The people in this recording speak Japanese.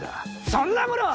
そんなものを。